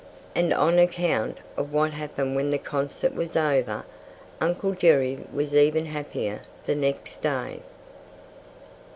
And on account of what happened when the concert was over, Uncle Jerry was even happier the next day.